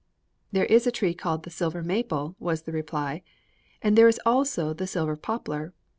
] "There is a tree called 'the silver maple,'" was the reply, "and there is also the silver poplar.